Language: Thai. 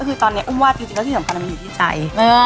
คือตอนนี้อุ้มว่าจริงแล้วที่สำคัญมันอยู่ที่ใจ